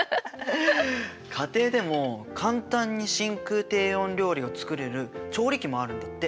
家庭でも簡単に真空低温料理を作れる調理器もあるんだって。